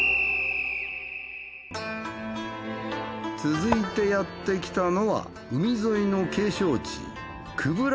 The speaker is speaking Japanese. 続いてやってきたのは海沿いの景勝地久部良